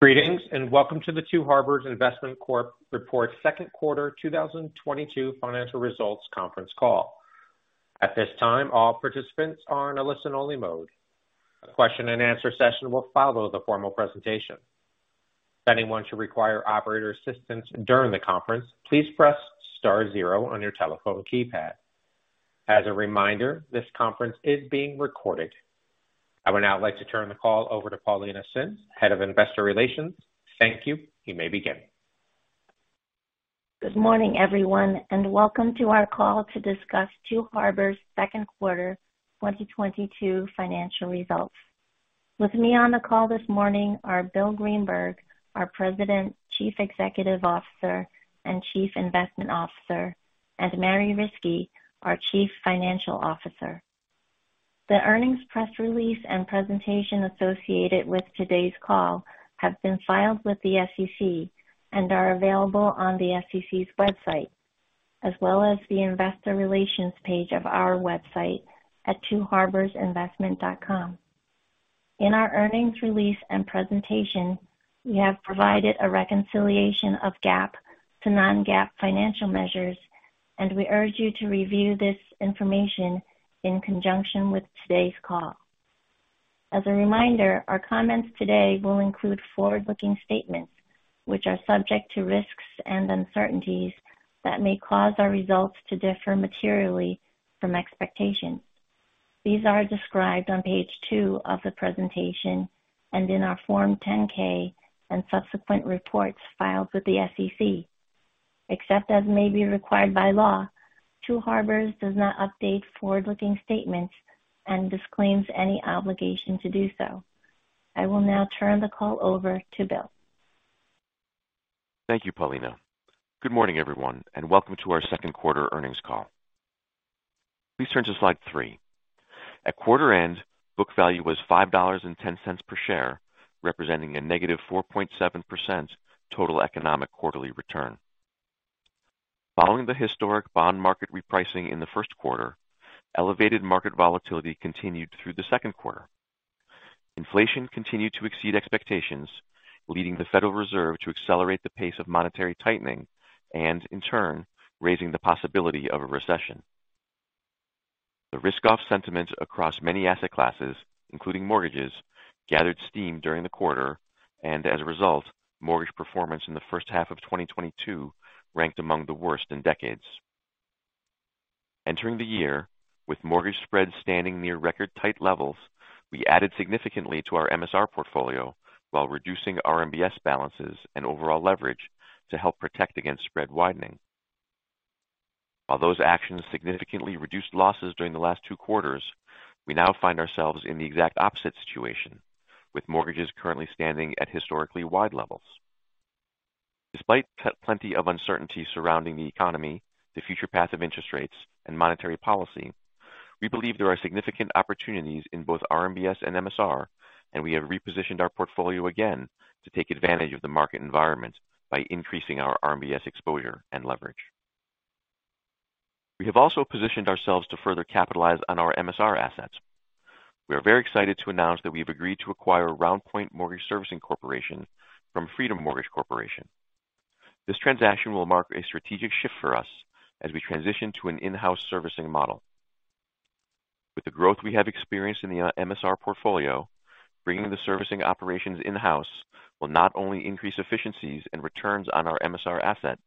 Greetings, and welcome to the Two Harbors Investment Corp. reports of second quarter 2022 financial results conference call. At this time, all participants are in a listen-only mode. A question-and-answer session will follow the formal presentation. If anyone should require operator assistance during the conference, please press star zero on your telephone keypad. As a reminder, this conference is being recorded. I would now like to turn the call over to Paulina Sims, Head of Investor Relations. Thank you. You may begin. Good morning, everyone, and welcome to our call to discuss Two Harbors' second quarter 2022 financial results. With me on the call this morning are Bill Greenberg, our President, Chief Executive Officer, and Chief Investment Officer, and Mary Riskey, our Chief Financial Officer. The earnings, press release, and presentation associated with today's call have been filed with the SEC and are available on the SEC's website, as well as the investor relations page of our website at twoharborsinvestment.com. In our earnings release and presentation, we have provided a reconciliation of GAAP to non-GAAP financial measures, and we urge you to review this information in conjunction with today's call. As a reminder, our comments today will include forward-looking statements, which are subject to risks and uncertainties that may cause our results to differ materially from expectations. These are described on page two of the presentation and in our Form 10-K and subsequent reports filed with the SEC. Except as may be required by law, Two Harbors does not update forward-looking statements and disclaims any obligation to do so. I will now turn the call over to Bill. Thank you, Paulina. Good morning, everyone, and welcome to our second quarter earnings call. Please turn to slide 3. At quarter end, book value was $5.10 per share, representing a -4.7% total economic quarterly return. Following the historic bond market repricing in the first quarter, elevated market volatility continued through the second quarter. Inflation continued to exceed expectations, leading the Federal Reserve to accelerate the pace of monetary tightening and in turn, raising the possibility of a recession. The risk-off sentiment across many asset classes, including mortgages, gathered steam during the quarter, and as a result, mortgage performance in the first half of 2022 ranked among the worst in decades. Entering the year with mortgage spreads standing near record-tight levels, we added significantly to our MSR portfolio while reducing RMBS balances and overall leverage to help protect against spread widening. While those actions significantly reduced losses during the last two quarters, we now find ourselves in the exact opposite situation, with mortgages currently standing at historically wide levels. Despite plenty of uncertainty surrounding the economy, the future path of interest rates, and monetary policy, we believe there are significant opportunities in both RMBS and MSR, and we have repositioned our portfolio again to take advantage of the market environment by increasing our RMBS exposure and leverage. We have also positioned ourselves to further capitalize on our MSR assets. We are very excited to announce that we have agreed to acquire RoundPoint Mortgage Servicing Corporation from Freedom Mortgage Corporation. This transaction will mark a strategic shift for us as we transition to an in-house servicing model. With the growth we have experienced in the MSR portfolio, bringing the servicing operations in-house will not only increase efficiencies and returns on our MSR asset,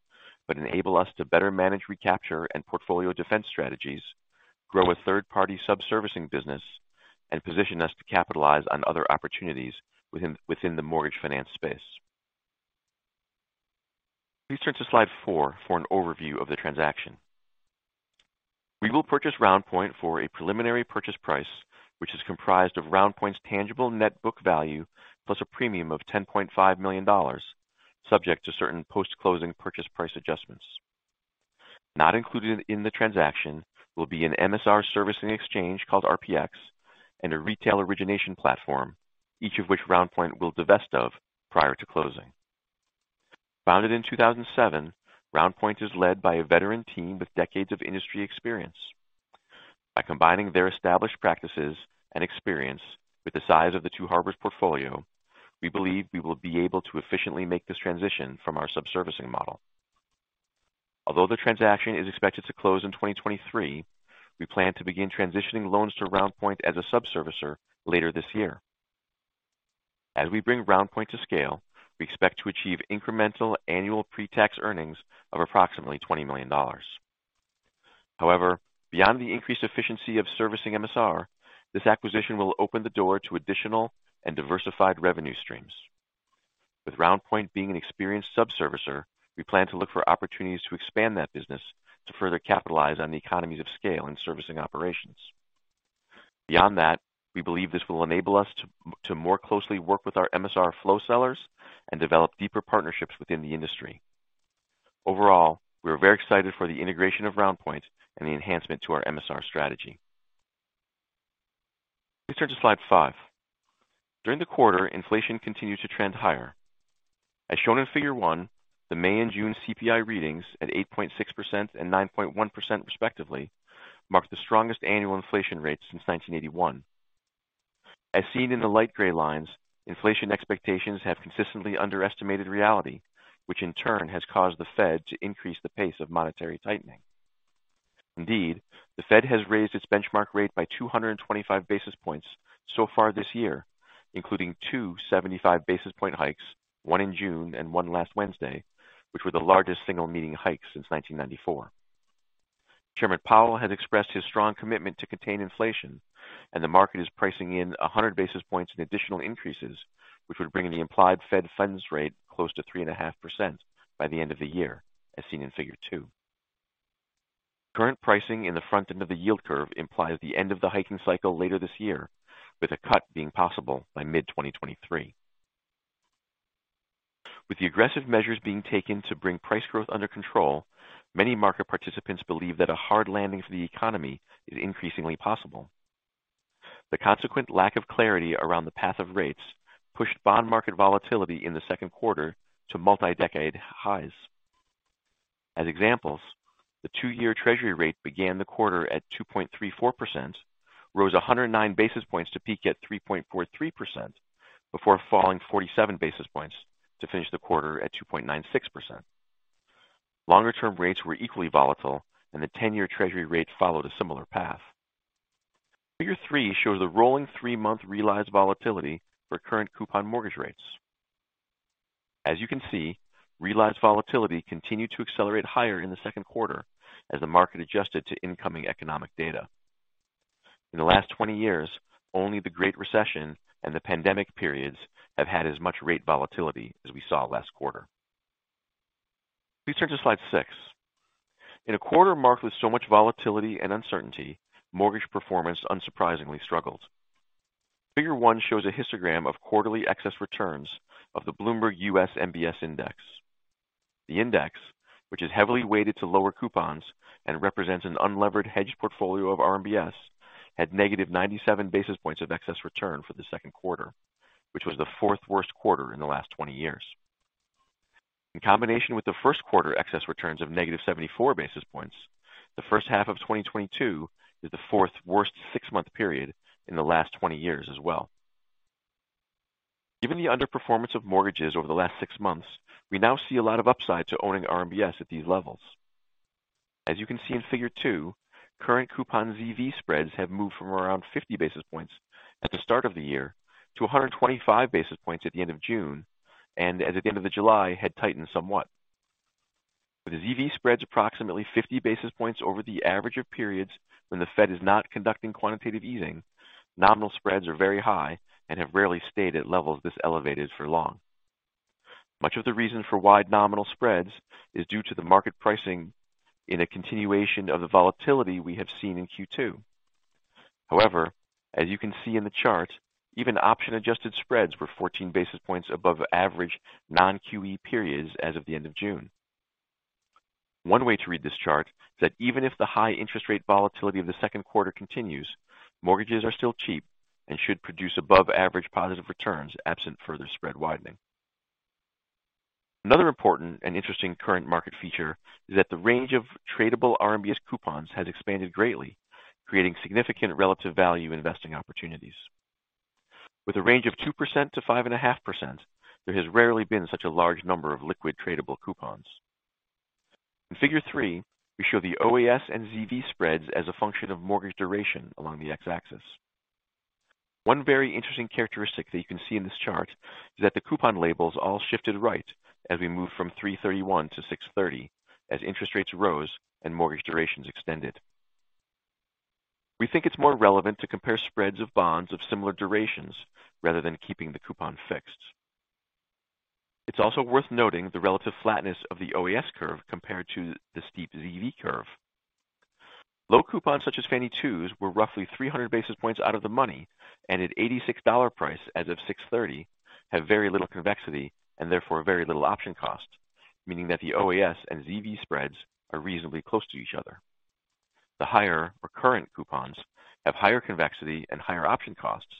but enable us to better manage recapture and portfolio defense strategies, grow a third-party subservicing business, and position us to capitalize on other opportunities within the mortgage finance space. Please turn to slide 4 for an overview of the transaction. We will purchase RoundPoint for a preliminary purchase price, which is comprised of RoundPoint's tangible net book value plus a premium of $10.5 million, subject to certain post-closing purchase price adjustments. Not included in the transaction will be an MSR servicing exchange called RPX and a retail origination platform, each of which RoundPoint will divest of prior to closing. Founded in 2007, RoundPoint is led by a veteran team with decades of industry experience. By combining their established practices and experience with the size of the Two Harbors portfolio, we believe we will be able to efficiently make this transition from our subservicing model. Although the transaction is expected to close in 2023, we plan to begin transitioning loans to RoundPoint as a subservicer later this year. As we bring RoundPoint to scale, we expect to achieve incremental annual pre-tax earnings of approximately $20 million. However, beyond the increased efficiency of servicing MSR, this acquisition will open the door to additional and diversified revenue streams. With RoundPoint being an experienced subservicer, we plan to look for opportunities to expand that business to further capitalize on the economies of scale and servicing operations. Beyond that, we believe this will enable us to more closely work with our MSR flow sellers and develop deeper partnerships within the industry. Overall, we are very excited for the integration of RoundPoint and the enhancement to our MSR strategy. Please turn to slide 5. During the quarter, inflation continued to trend higher. As shown in Figure 1, the May and June CPI readings at 8.6% and 9.1% respectively, marked the strongest annual inflation rates since 1981. As seen in the light gray lines, inflation expectations have consistently underestimated reality, which in turn has caused the Fed to increase the pace of monetary tightening. Indeed, the Fed has raised its benchmark rate by 225 basis points so far this year, including 75 basis point hikes, one in June and one last Wednesday, which were the largest single meeting hikes since 1994. Chairman Powell has expressed his strong commitment to contain inflation, and the market is pricing in 100 basis points in additional increases, which would bring the implied Fed funds rate close to 3.5% by the end of the year as seen in Figure 2. Current pricing in the front end of the yield curve implies the end of the hiking cycle later this year, with a cut being possible by mid-2023. With the aggressive measures being taken to bring price growth under control, many market participants believe that a hard landing for the economy is increasingly possible. The consequent lack of clarity around the path of rates pushed bond market volatility in the second quarter to multi-decade highs. As examples, the two-year treasury rate began the quarter at 2.34%, rose 109 basis points to peak at 3.43% before falling 47 basis points to finish the quarter at 2.96%. Longer-term rates were equally volatile and the 10-year treasury rate followed a similar path. Figure 3 shows the rolling 3-month realized volatility for current coupon mortgage rates. As you can see, realized volatility continued to accelerate higher in the second quarter as the market adjusted to incoming economic data. In the last 20 years, only the Great Recession and the pandemic periods have had as much rate volatility as we saw last quarter. Please turn to slide 6. In a quarter marked with so much volatility and uncertainty, mortgage performance unsurprisingly struggled. Figure 1 shows a histogram of quarterly excess returns of the Bloomberg US MBS Index. The index, which is heavily weighted to lower coupons and represents an unlevered hedged portfolio of RMBS, had -97 basis points of excess return for the second quarter, which was the fourth worst quarter in the last 20 years. In combination with the first quarter excess returns of -74 basis points, the first half of 2022 is the fourth worst six-month period in the last 20 years as well. Given the underperformance of mortgages over the last six months, we now see a lot of upside to owning RMBS at these levels. As you can see in Figure 2, current coupon ZV spreads have moved from around 50 basis points at the start of the year to 125 basis points at the end of June, and as of the end of July had tightened somewhat. With the ZV spreads approximately 50 basis points over the average of periods when the Fed is not conducting quantitative easing, nominal spreads are very high and have rarely stayed at levels this elevated for long. Much of the reason for wide nominal spreads is due to the market pricing in a continuation of the volatility we have seen in Q2. However, as you can see in the chart, even option-adjusted spreads were 14 basis points above average non-QE periods as of the end of June. One way to read this chart is that even if the high interest rate volatility of the second quarter continues, mortgages are still cheap and should produce above average positive returns absent further spread widening. Another important and interesting current market feature is that the range of tradable RMBS coupons has expanded greatly, creating significant relative value investing opportunities. With a range of 2%-5.5%, there has rarely been such a large number of liquid tradable coupons. In Figure 3, we show the OAS and ZV spreads as a function of mortgage duration along the x-axis. One very interesting characteristic that you can see in this chart is that the coupon labels all shifted right as we moved from 3/31-6/30 as interest rates rose and mortgage durations extended. We think it's more relevant to compare spreads of bonds of similar durations rather than keeping the coupon fixed. It's also worth noting the relative flatness of the OAS curve compared to the steep ZV curve. Low coupons such as Fannie 2s were roughly 300 basis points out of the money and at $86 price as of 6:30 have very little convexity and therefore very little option cost, meaning that the OAS and ZV spreads are reasonably close to each other. The higher current coupons have higher convexity and higher option costs,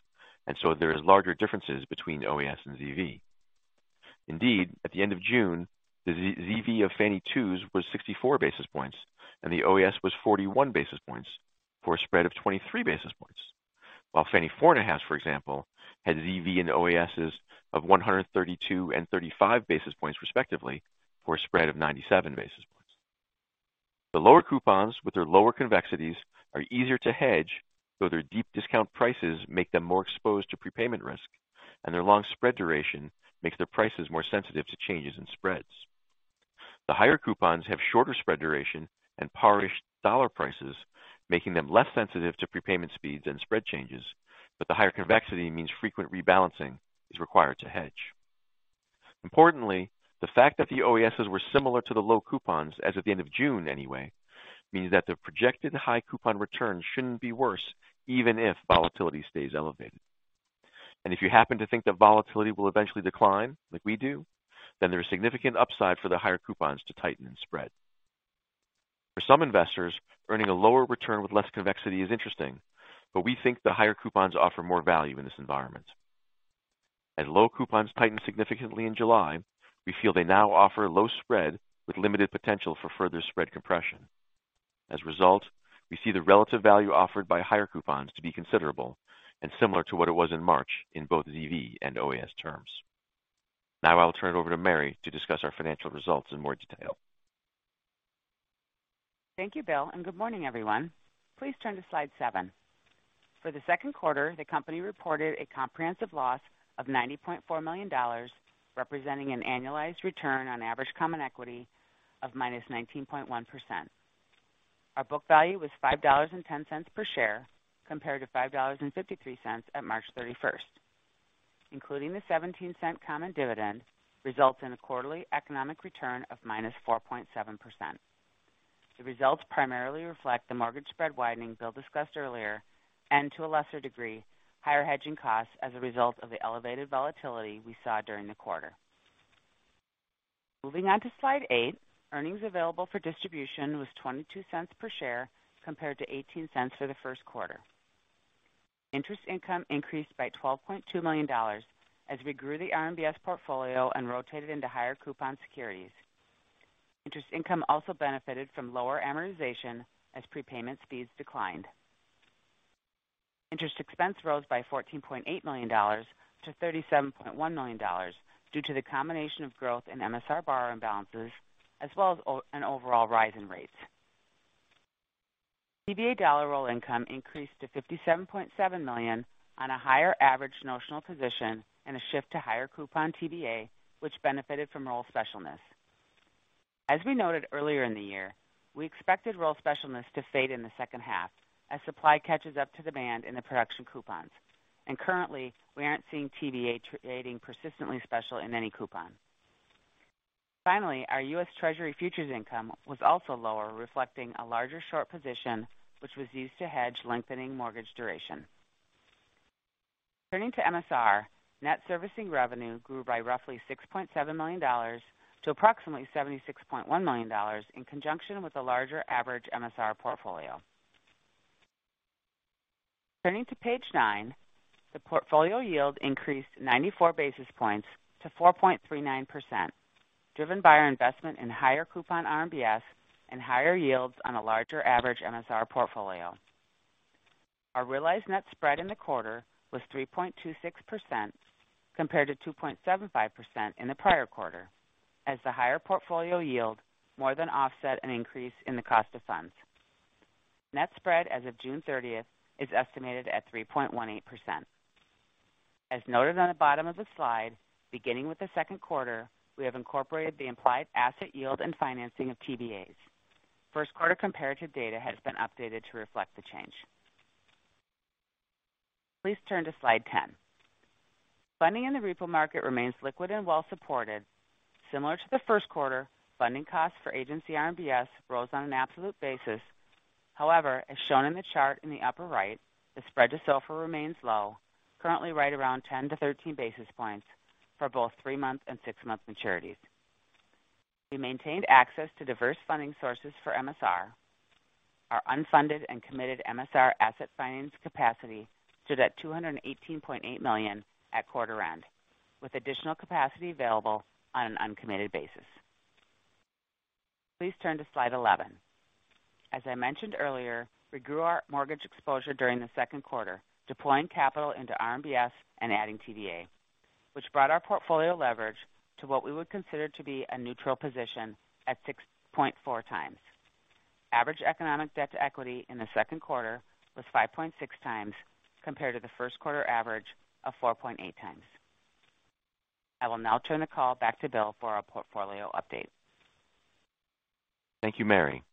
and so there is larger differences between OAS and ZV. Indeed, at the end of June, the ZV of Fannie 2s was 64 basis points and the OAS was 41 basis points for a spread of 23 basis points. While Fannie Mae 4.5s, for example, had ZV and OAS of 132 and 35 basis points respectively, for a spread of 97 basis points. The lower coupons with their lower convexities are easier to hedge, though their deep discount prices make them more exposed to prepayment risk, and their long spread duration makes their prices more sensitive to changes in spreads. The higher coupons have shorter spread duration and par dollar prices, making them less sensitive to prepayment speeds and spread changes. The higher convexity means frequent rebalancing is required to hedge. Importantly, the fact that the OAS were similar to the low coupons as of the end of June anyway, means that the projected high coupon returns shouldn't be worse even if volatility stays elevated. If you happen to think that volatility will eventually decline like we do, then there's significant upside for the higher coupons to tighten and spread. For some investors, earning a lower return with less convexity is interesting, but we think the higher coupons offer more value in this environment. As low coupons tightened significantly in July, we feel they now offer low spread with limited potential for further spread compression. As a result, we see the relative value offered by higher coupons to be considerable and similar to what it was in March in both ZV and OAS terms. Now I'll turn it over to Mary to discuss our financial results in more detail. Thank you, Bill, and good morning, everyone. Please turn to slide 7. For the second quarter, the company reported a comprehensive loss of $90.4 million, representing an annualized return on average common equity of -19.1%. Our book value was $5.10 per share, compared to $5.53 at March 31st. Including the $0.17 common dividend results in a quarterly economic return of -4.7%. The results primarily reflect the mortgage spread widening Bill discussed earlier and to a lesser degree, higher hedging costs as a result of the elevated volatility we saw during the quarter. Moving on to slide 8. Earnings available for distribution was $0.22 per share compared to $0.18 for the first quarter. Interest income increased by $12.2 million as we grew the RMBS portfolio and rotated into higher coupon securities. Interest income also benefited from lower amortization as prepayment speeds declined. Interest expense rose by $14.8 million-$37.1 million due to the combination of growth in MSR borrower imbalances as well as an overall rise in rates. TBA dollar roll income increased to $57.7 million on a higher average notional position and a shift to higher coupon TBA, which benefited from roll specialness. As we noted earlier in the year, we expected roll specialness to fade in the second half as supply catches up to demand in the production coupons. Currently, we aren't seeing TBA trading persistently special in any coupon. Finally, our U.S. Treasury futures income was also lower, reflecting a larger short position which was used to hedge lengthening mortgage duration. Turning to MSR, net servicing revenue grew by roughly $6.7 million to approximately $76.1 million in conjunction with a larger average MSR portfolio. Turning to page 9. The portfolio yield increased 94 basis points to 4.39%, driven by our investment in higher coupon RMBS and higher yields on a larger average MSR portfolio. Our realized net spread in the quarter was 3.26% compared to 2.75% in the prior quarter as the higher portfolio yield more than offset an increase in the cost of funds. Net spread as of June 30th is estimated at 3.18%. As noted on the bottom of the slide, beginning with the second quarter, we have incorporated the implied asset yield and financing of TBAs. First quarter comparative data has been updated to reflect the change. Please turn to slide 10. Funding in the repo market remains liquid and well supported. Similar to the first quarter, funding costs for agency RMBS rose on an absolute basis. However, as shown in the chart in the upper right, the spread to SOFR remains low, currently right around 10-13 basis points for both 3-month and 6-month maturities. We maintained access to diverse funding sources for MSR. Our unfunded and committed MSR asset finance capacity stood at $218.8 million at quarter end, with additional capacity available on an uncommitted basis. Please turn to slide 11. As I mentioned earlier, we grew our mortgage exposure during the second quarter, deploying capital into RMBS and adding TBA, which brought our portfolio leverage to what we would consider to be a neutral position at 6.4 times. Average economic debt to equity in the second quarter was 5.6 times compared to the first quarter average of 4.8 times. I will now turn the call back to Bill for our portfolio update. Thank you, Mary.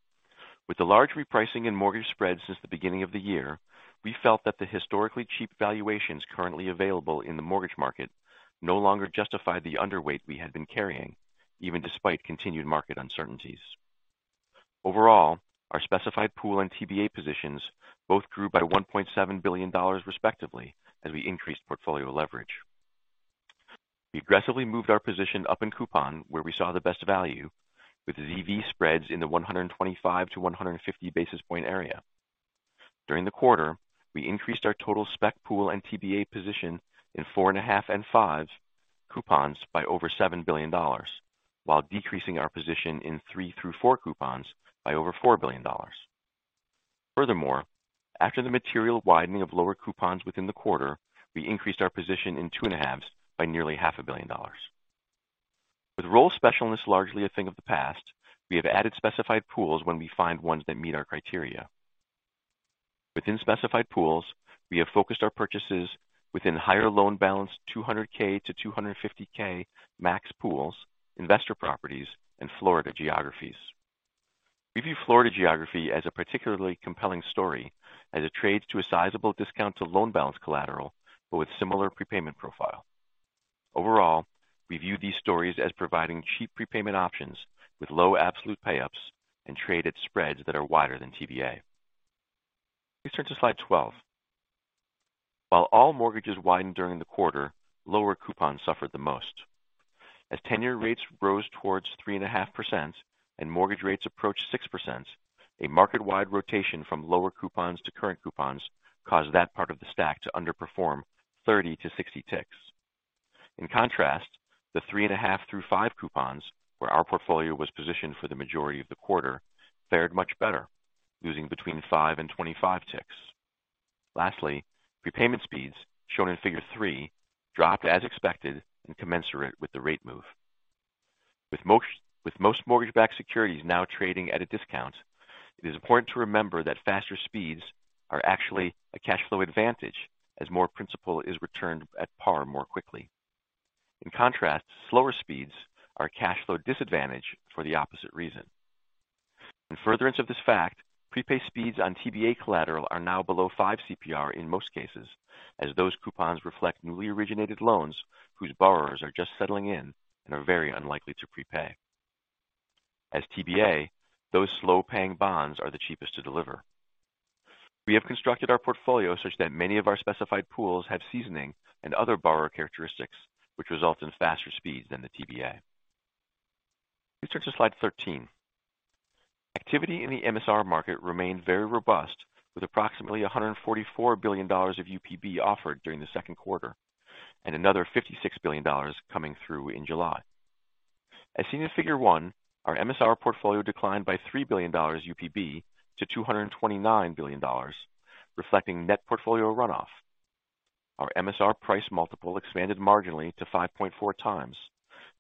With the large repricing in mortgage spreads since the beginning of the year, we felt that the historically cheap valuations currently available in the mortgage market no longer justified the underweight we had been carrying, even despite continued market uncertainties. Overall, our specified pool and TBA positions both grew by $1.7 billion respectively as we increased portfolio leverage. We aggressively moved our position up in coupon where we saw the best value with ZV spreads in the 125-150 basis point area. During the quarter, we increased our total spec pool and TBA position in 4.5 and 5 coupons by over $7 billion while decreasing our position in 3-4 coupons by over $4 billion. Furthermore, after the material widening of lower coupons within the quarter, we increased our position in 2.5s By nearly $0.5 billion dollars. With roll specialness largely a thing of the past, we have added specified pools when we find ones that meet our criteria. Within specified pools, we have focused our purchases within higher loan balance, $200,000-$250,000 max pools, investor properties, and Florida geographies. We view Florida geography as a particularly compelling story as it trades to a sizable discount to loan balance collateral but with similar prepayment profile. Overall, we view these stories as providing cheap prepayment options with low absolute pay-ups and traded spreads that are wider than TBA. Please turn to slide 12. While all mortgages widened during the quarter, lower coupons suffered the most. As tenure rates rose towards 3.5% and mortgage rates approached 6%, a market-wide rotation from lower coupons to current coupons caused that part of the stack to underperform 30-60 ticks. In contrast, the 3.5-5 coupons, where our portfolio was positioned for the majority of the quarter, fared much better, losing between 5 and 25 ticks. Lastly, prepayment speeds, shown in Figure 3, dropped as expected and commensurate with the rate move. With most mortgage-backed securities now trading at a discount, it is important to remember that faster speeds are actually a cash flow advantage as more principal is returned at par more quickly. In contrast, slower speeds are a cash flow disadvantage for the opposite reason. In furtherance of this fact, prepay speeds on TBA collateral are now below 5 CPR in most cases, as those coupons reflect newly originated loans whose borrowers are just settling in and are very unlikely to prepay. As TBA, those slow-paying bonds are the cheapest to deliver. We have constructed our portfolio such that many of our specified pools have seasoning and other borrower characteristics which result in faster speeds than the TBA. Please turn to slide 13. Activity in the MSR market remained very robust with approximately $144 billion of UPB offered during the second quarter and another $56 billion coming through in July. As seen in Figure 1, our MSR portfolio declined by $3 billion UPB to $229 billion, reflecting net portfolio runoff. Our MSR price multiple expanded marginally to 5.4 times,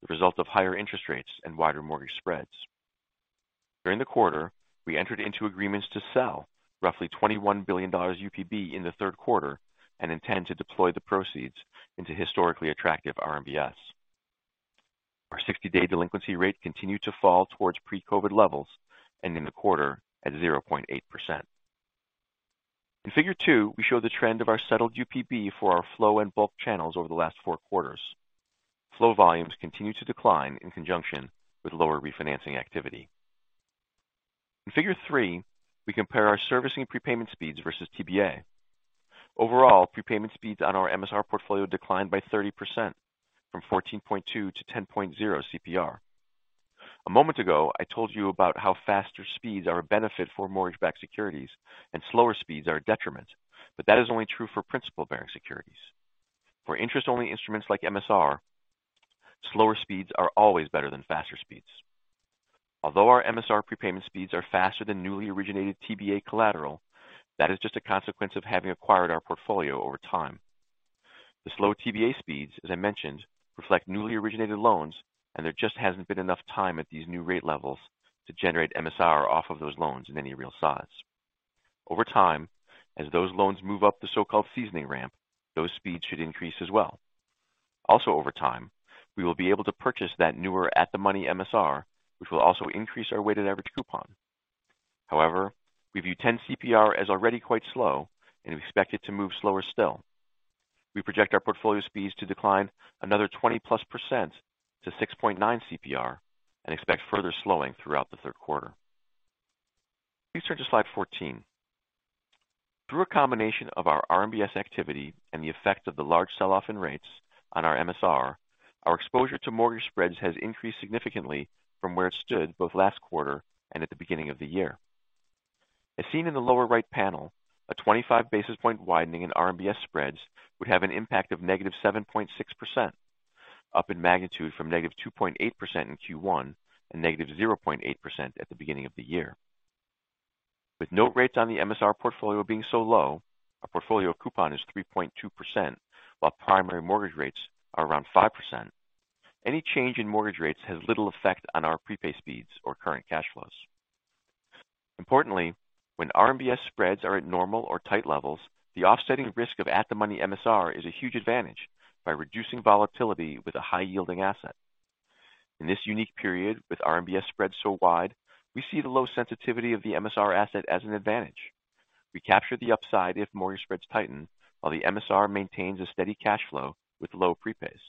the result of higher interest rates and wider mortgage spreads. During the quarter, we entered into agreements to sell roughly $21 billion UPB in the third quarter and intend to deploy the proceeds into historically attractive RMBS. Our 60-day delinquency rate continued to fall towards pre-COVID levels, ending the quarter at 0.8%. In Figure 2, we show the trend of our settled UPB for our flow and bulk channels over the last four quarters. Flow volumes continue to decline in conjunction with lower refinancing activity. In Figure 3, we compare our servicing prepayment speeds versus TBA. Overall, prepayment speeds on our MSR portfolio declined by 30% from 14.2 to 10.0 CPR. A moment ago, I told you about how faster speeds are a benefit for mortgage-backed securities and slower speeds are a detriment, but that is only true for principal-bearing securities. For interest-only instruments like MSR, slower speeds are always better than faster speeds. Although our MSR prepayment speeds are faster than newly originated TBA collateral, that is just a consequence of having acquired our portfolio over time. The slow TBA speeds, as I mentioned, reflect newly originated loans, and there just hasn't been enough time at these new rate levels to generate MSR off of those loans in any real size. Over time, as those loans move up the so-called seasoning ramp, those speeds should increase as well. Also over time, we will be able to purchase that newer at-the-money MSR, which will also increase our weighted average coupon. However, we view 10 CPR as already quite slow and we expect it to move slower still. We project our portfolio speeds to decline another 20%+ to 6.9 CPR and expect further slowing throughout the third quarter. Please turn to slide 14. Through a combination of our RMBS activity and the effect of the large sell-off in rates on our MSR, our exposure to mortgage spreads has increased significantly from where it stood both last quarter and at the beginning of the year. As seen in the lower right panel, a 25 basis point widening in RMBS spreads would have an impact of -7.6%, up in magnitude from -2.8% in Q1 and -0.8% at the beginning of the year. With note rates on the MSR portfolio being so low, our portfolio coupon is 3.2%, while primary mortgage rates are around 5%. Any change in mortgage rates has little effect on our prepay speeds or current cash flows. Importantly, when RMBS spreads are at normal or tight levels, the offsetting risk of at-the-money MSR is a huge advantage by reducing volatility with a high-yielding asset. In this unique period with RMBS spreads so wide, we see the low sensitivity of the MSR asset as an advantage. We capture the upside if mortgage spreads tighten while the MSR maintains a steady cash flow with low prepays.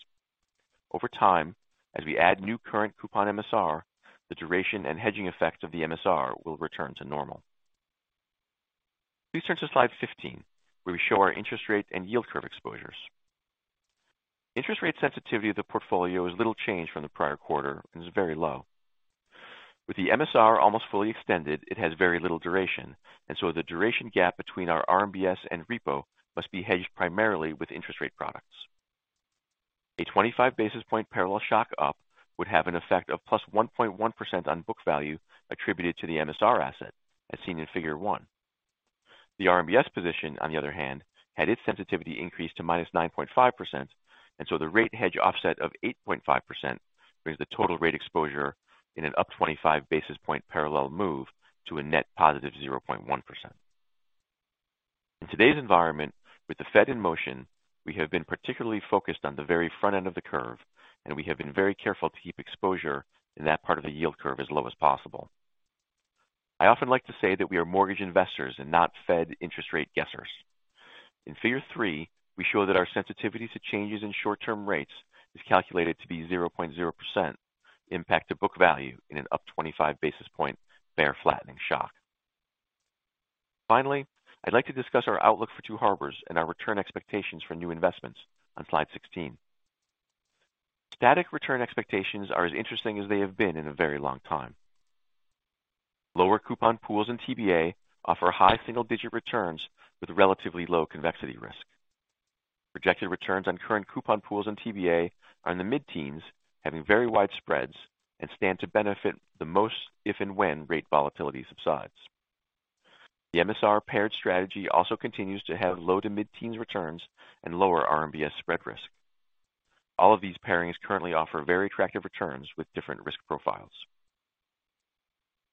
Over time, as we add new current coupon MSR, the duration and hedging effect of the MSR will return to normal. Please turn to slide 15, where we show our interest rate and yield curve exposures. Interest rate sensitivity of the portfolio is little changed from the prior quarter and is very low. With the MSR almost fully extended, it has very little duration, and so the duration gap between our RMBS and repo must be hedged primarily with interest rate products. A 25 basis point parallel shock up would have an effect of +1.1% on book value attributed to the MSR asset, as seen in Figure 1. The RMBS position, on the other hand, had its sensitivity increased to -9.5%, and so the rate hedge offset of 8.5% brings the total rate exposure in an up 25 basis point parallel move to a net +0.1%. In today's environment with the Fed in motion, we have been particularly focused on the very front end of the curve, and we have been very careful to keep exposure in that part of the yield curve as low as possible. I often like to say that we are mortgage investors and not Fed interest rate guessers. In Figure 3, we show that our sensitivity to changes in short-term rates is calculated to be 0.0%. Impact to book value in an up 25 basis point bear flattening shock. Finally, I'd like to discuss our outlook for Two Harbors and our return expectations for new investments on slide 16. Static return expectations are as interesting as they have been in a very long time. Lower coupon pools and TBA offer high single-digit returns with relatively low convexity risk. Projected returns on current coupon pools and TBA are in the mid-teens, having very wide spreads, and stand to benefit the most if and when rate volatility subsides. The MSR paired strategy also continues to have low to mid-teens returns and lower RMBS spread risk. All of these pairings currently offer very attractive returns with different risk profiles.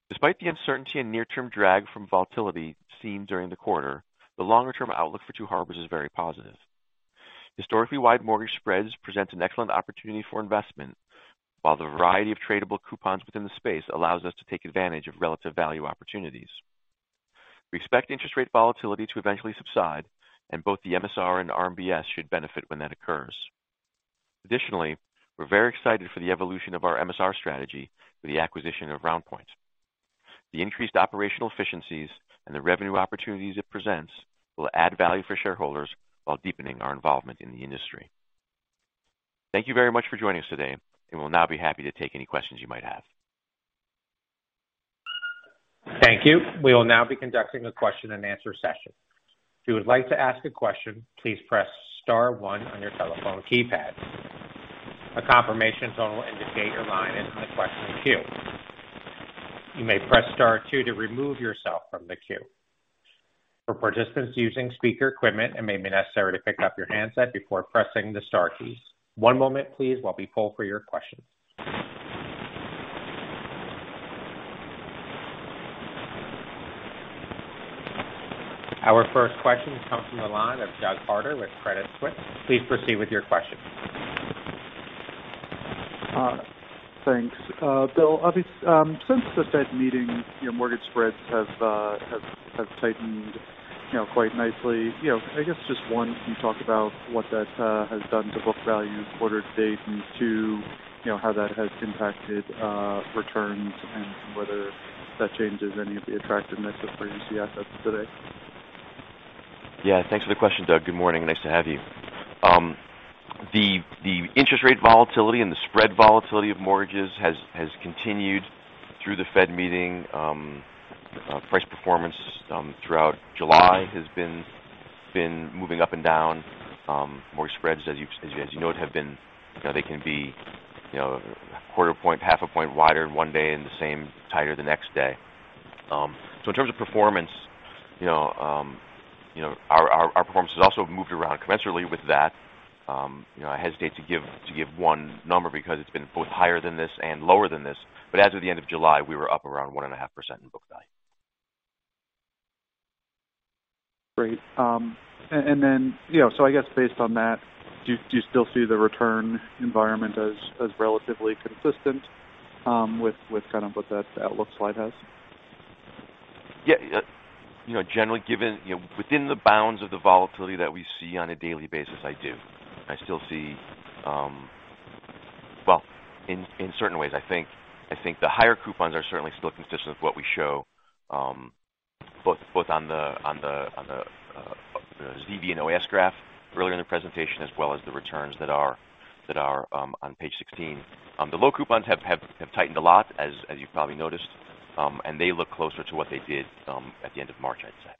Despite the uncertainty and near-term drag from volatility seen during the quarter, the longer-term outlook for Two Harbors is very positive. Historically wide mortgage spreads present an excellent opportunity for investment, while the variety of tradable coupons within the space allows us to take advantage of relative value opportunities. We expect interest rate volatility to eventually subside, and both the MSR and RMBS should benefit when that occurs. Additionally, we're very excited for the evolution of our MSR strategy with the acquisition of RoundPoint. The increased operational efficiencies and the revenue opportunities it presents will add value for shareholders while deepening our involvement in the industry. Thank you very much for joining us today, and we'll now be happy to take any questions you might have. Thank you. We will now be conducting a question-and-answer session. If you would like to ask a question, please press star one on your telephone keypad. A confirmation tone will indicate your line is in the question queue. You may press star two to remove yourself from the queue. For participants using speaker equipment, it may be necessary to pick up your handset before pressing the star keys. One moment please while we poll for your question. Our first question comes from the line of Doug Harter with Credit Suisse. Please proceed with your question. Thanks. Bill, obviously since the Fed meeting, your mortgage spreads have tightened, you know, quite nicely. You know, I guess just one, can you talk about what that has done to book value quarter-to-date? Two, you know, how that has impacted returns and whether that changes any of the attractiveness of unencumbered assets today. Yeah. Thanks for the question, Doug. Good morning. Nice to have you. The interest rate volatility and the spread volatility of mortgages has continued through the Fed meeting. Price performance throughout July has been moving up and down. More spreads as you know have been you know they can be quarter point half a point wider one day and the same tighter the next day. In terms of performance you know our performance has also moved around commensurately with that. You know I hesitate to give one number because it's been both higher than this and lower than this. As of the end of July we were up around 1.5% in book value. Great. You know, so I guess based on that, do you still see the return environment as relatively consistent with kind of what that outlook slide has? Yeah. You know, generally given, you know, within the bounds of the volatility that we see on a daily basis, I do. I still see. Well, in certain ways, I think the higher coupons are certainly still consistent with what we show, both on the ZV and OAS graph earlier in the presentation, as well as the returns that are on page 16. The low coupons have tightened a lot, as you've probably noticed, and they look closer to what they did at the end of March, I'd say.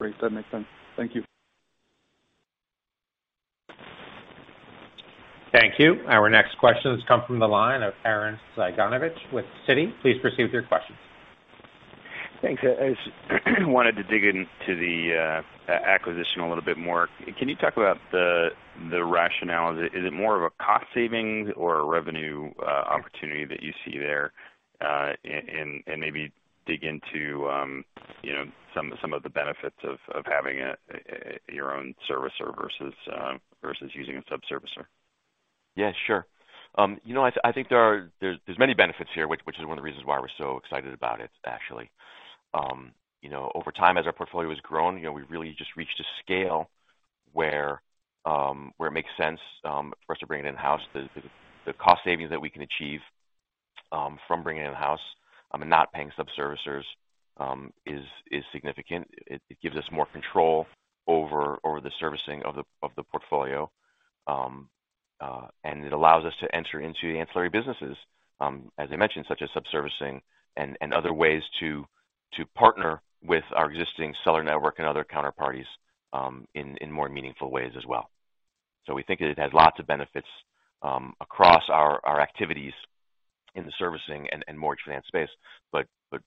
Great. That makes sense. Thank you. Thank you. Our next question has come from the line of Arren Cyganovich with Citi. Please proceed with your question. Thanks. I just wanted to dig into the acquisition a little bit more. Can you talk about the rationale? Is it more of a cost savings or a revenue opportunity that you see there? Maybe dig into some of the benefits of having your own servicer versus using a sub-servicer. Yeah, sure. You know, I think there's many benefits here, which is one of the reasons why we're so excited about it, actually. You know, over time, as our portfolio has grown, you know, we've really just reached a scale where it makes sense for us to bring it in-house. The cost savings that we can achieve from bringing it in-house and not paying sub-servicers is significant. It gives us more control over the servicing of the portfolio. It allows us to enter into the ancillary businesses, as I mentioned, such as sub-servicing and other ways to partner with our existing seller network and other counterparties, in more meaningful ways as well. We think it has lots of benefits across our activities in the servicing and mortgage finance space.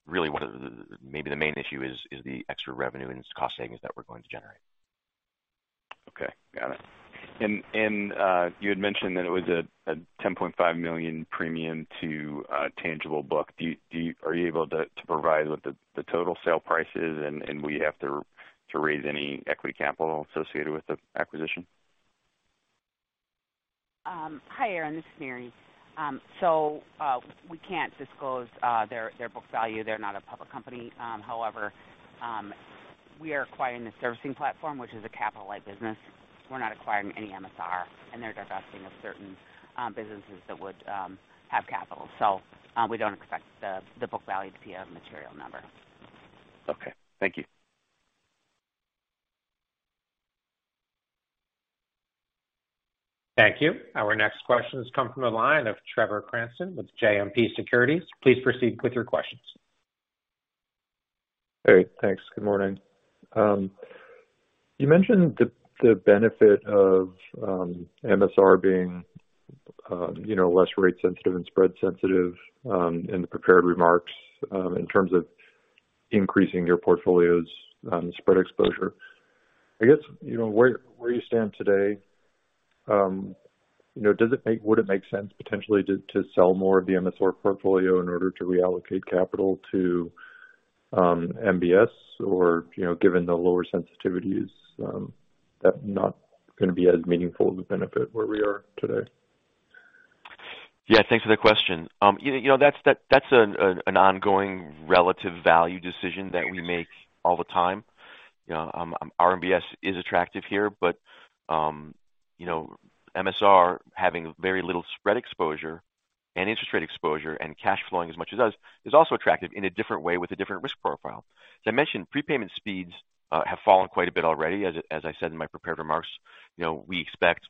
Really one of the, maybe the main issue is the extra revenue and cost savings that we're going to generate. Okay. Got it. You had mentioned that it was a $10.5 million premium to tangible book. Are you able to provide what the total sale price is, and will you have to raise any equity capital associated with the acquisition? Hi, Arren. This is Mary. We can't disclose their book value. They're not a public company. However, We are acquiring the servicing platform, which is a capital-light business. We're not acquiring any MSR, and they're divesting of certain businesses that would have capital. We don't expect the book value to be a material number. Okay, thank you. Thank you. Our next question has come from the line of Trevor Cranston with JMP Securities. Please proceed with your questions. Hey, thanks. Good morning. You mentioned the benefit of MSR being, you know, less rate sensitive and spread sensitive in the prepared remarks in terms of increasing your portfolio's spread exposure. I guess, you know, where you stand today, you know, would it make sense potentially to sell more of the MSR portfolio in order to reallocate capital to MBS? Or, you know, given the lower sensitivities, that not gonna be as meaningful of a benefit where we are today. Yeah. Thanks for the question. You know, that's an ongoing relative value decision that we make all the time. You know, our MBS is attractive here, but you know, MSR having very little spread exposure and interest rate exposure and cash flowing as much as us is also attractive in a different way with a different risk profile. As I mentioned, prepayment speeds have fallen quite a bit already. As I said in my prepared remarks, you know, we expect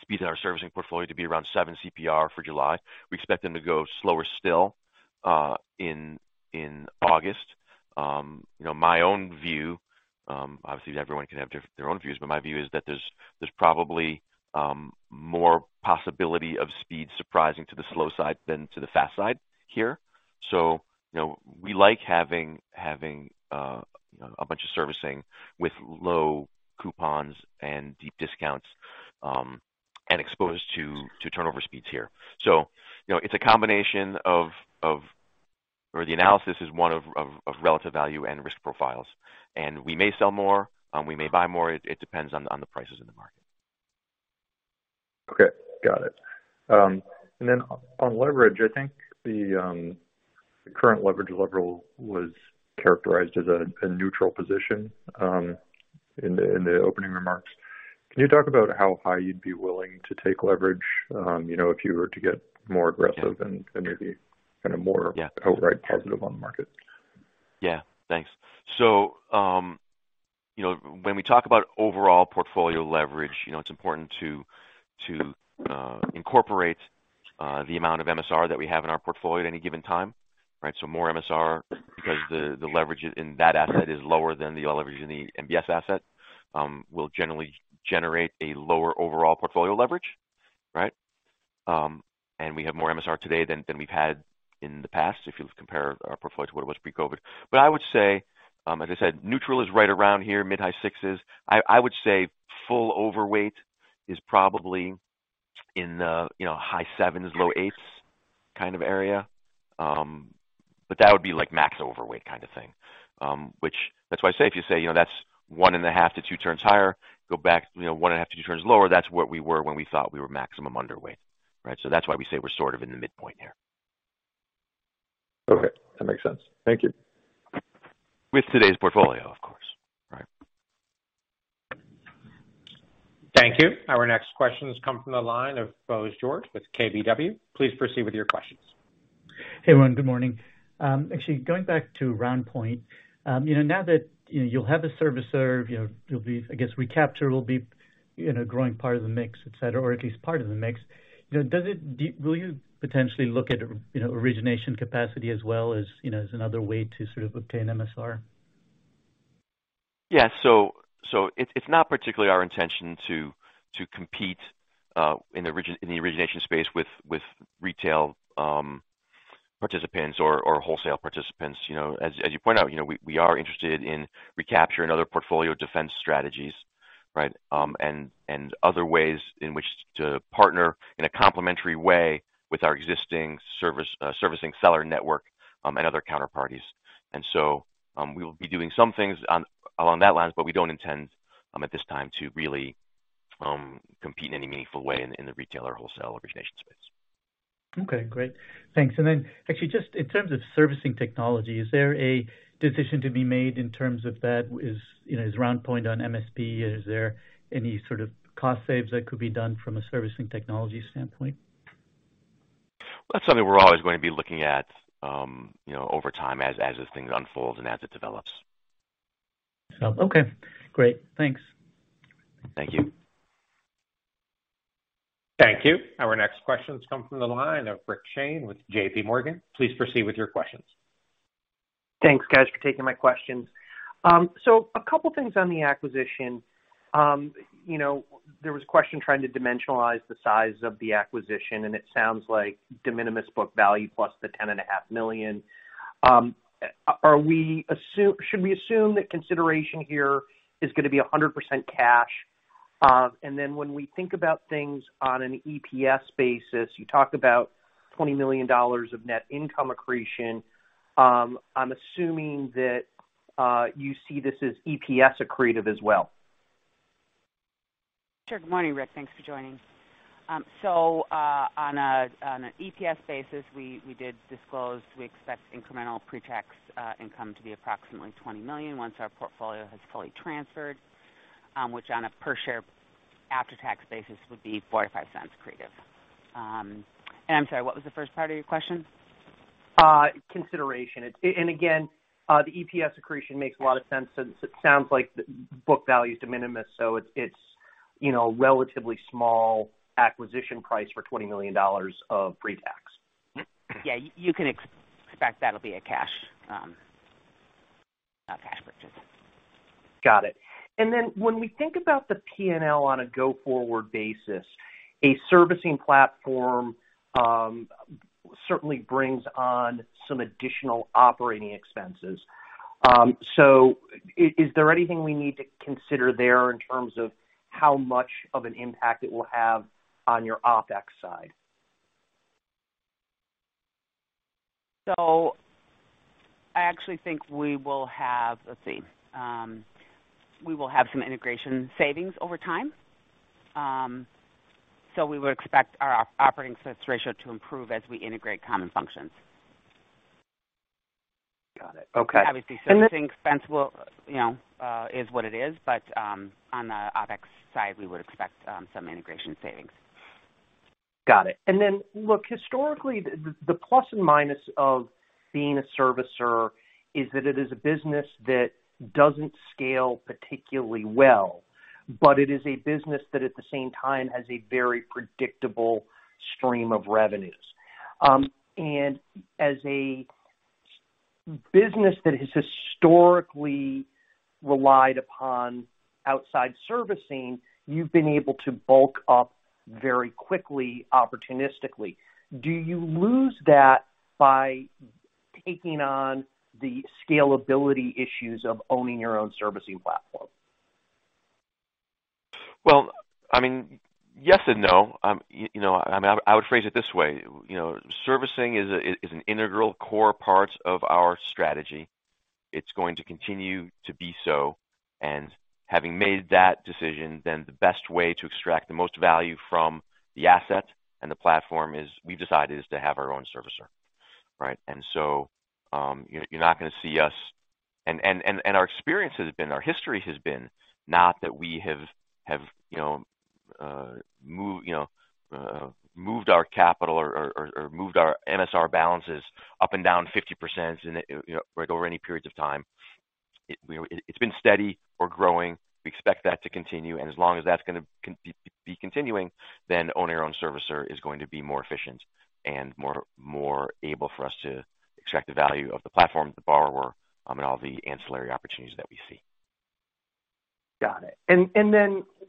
speeds in our servicing portfolio to be around 7 CPR for July. We expect them to go slower still in August. You know, my own view, obviously everyone can have their own views, but my view is that there's probably more possibility of speed surprising to the slow side than to the fast side here. You know, we like having a bunch of servicing with low coupons and deep discounts, and exposed to turnover speeds here. It's a combination or the analysis is one of relative value and risk profiles. We may sell more, we may buy more. It depends on the prices in the market. Okay. Got it. On leverage, I think the current leverage level was characterized as a neutral position in the opening remarks. Can you talk about how high you'd be willing to take leverage, you know, if you were to get more aggressive and maybe kind of more outright positive on the market? Yeah. Thanks. You know, when we talk about overall portfolio leverage, you know, it's important to incorporate the amount of MSR that we have in our portfolio at any given time, right? More MSR because the leverage in that asset is lower than the leverage in the MBS asset will generally generate a lower overall portfolio leverage, right? We have more MSR today than we've had in the past, if you compare our portfolio to what it was pre-COVID. I would say, as I said, neutral is right around here, mid-high 6s. I would say full overweight is probably in the, you know, high 7s, low 8s kind of area. That would be like max overweight kind of thing. which that's why I say if you say, you know, that's 1.5-2 turns higher, go back, you know, 1.5-2 turns lower, that's what we were when we thought we were maximum underweight, right? So that's why we say we're sort of in the midpoint here. Okay, that makes sense. Thank you. With today's portfolio, of course. Right. Thank you. Our next question has come from the line of Bose George with KBW. Please proceed with your questions. Hey, everyone. Good morning. Actually going back to RoundPoint, you know, now that you'll have a servicer, you know, I guess recapture will be growing part of the mix, etc, or at least part of the mix. You know, will you potentially look at origination capacity as well as another way to sort of obtain MSR? Yeah. It's not particularly our intention to compete in the origination space with retail participants or wholesale participants. You know, as you point out, you know, we are interested in recapture and other portfolio defense strategies, right? And other ways in which to partner in a complementary way with our existing servicing seller network, and other counterparties. We will be doing some things along those lines, but we don't intend at this time to really compete in any meaningful way in the retail or wholesale origination space. Okay, great. Thanks. Actually just in terms of servicing technology, is there a decision to be made in terms of that? Is, you know, is RoundPoint on MSP? Is there any sort of cost saves that could be done from a servicing technology standpoint? That's something we're always going to be looking at, you know, over time as this thing unfolds and as it develops. Okay, great. Thanks. Thank you. Thank you. Our next question has come from the line of Rick Shane with JPMorgan. Please proceed with your questions. Thanks guys for taking my questions. A couple things on the acquisition. You know, there was a question trying to dimensionalize the size of the acquisition, and it sounds like de minimis book value plus the $10.5 million. Should we assume that consideration here is gonna be 100% cash? When we think about things on an EPS basis, you talked about $20 million of net income accretion. I'm assuming that you see this as EPS accretive as well. Sure. Good morning, Rick. Thanks for joining. So, on an EPS basis, we did disclose we expect incremental pre-tax income to be approximately $20 million once our portfolio has fully transferred, which on a per share after-tax basis would be $0.04-$0.05 accretive. I'm sorry, what was the first part of your question? Consideration. The EPS accretion makes a lot of sense since it sounds like the book value is de minimis, so it's you know, relatively small acquisition price for $20 million of pre-tax. Yeah. You can expect that'll be a cash purchase. Got it. When we think about the P&L on a go-forward basis, a servicing platform certainly brings on some additional operating expenses. Is there anything we need to consider there in terms of how much of an impact it will have on your OpEx side? I actually think we will have some integration savings over time. We would expect our operating expense ratio to improve as we integrate common functions. Got it. Okay. Obviously, servicing expense, you know, is what it is. On the OpEx side, we would expect some integration savings. Got it. Then, look, historically, the plus and minus of being a servicer is that it is a business that doesn't scale particularly well, but it is a business that, at the same time, has a very predictable stream of revenues. As a business that has historically relied upon outside servicing, you've been able to bulk up very quickly, opportunistically. Do you lose that by taking on the scalability issues of owning your own servicing platform? Well, I mean, yes and no. You know, I mean, I would phrase it this way. You know, servicing is an integral core part of our strategy. It's going to continue to be so. Having made that decision, then the best way to extract the most value from the asset and the platform is, we've decided, is to have our own servicer, right? You're not gonna see us. Our experience has been, our history has been not that we have you know moved our capital or moved our MSR balances up and down 50% in like over any periods of time. You know, it's been steady. We're growing. We expect that to continue. As long as that's gonna be continuing, then owning our own servicer is going to be more efficient and more able for us to extract the value of the platform, the borrower, and all the ancillary opportunities that we see. Got it.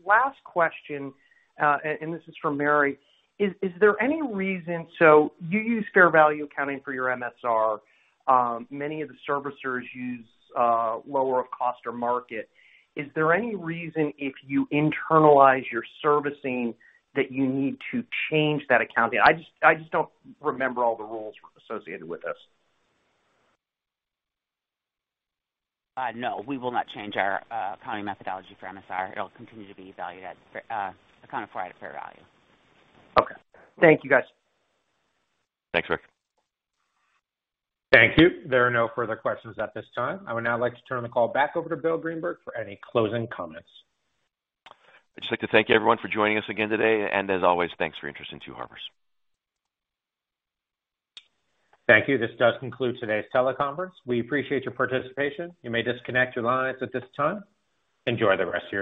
Last question, and this is for Mary. Is there any reason you use fair value accounting for your MSR? Many of the servicers use lower of cost or market. Is there any reason, if you internalize your servicing, that you need to change that accounting? I just don't remember all the rules associated with this. No, we will not change our accounting methodology for MSR. It'll continue to be accounted for at a fair value. Okay. Thank you, guys. Thanks, Rick. Thank you. There are no further questions at this time. I would now like to turn the call back over to Bill Greenberg for any closing comments. I'd just like to thank everyone for joining us again today. As always, thanks for your interest in Two Harbors. Thank you. This does conclude today's teleconference. We appreciate your participation. You may disconnect your lines at this time. Enjoy the rest of your day.